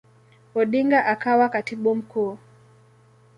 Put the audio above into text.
Odinga akawa Katibu Mkuu.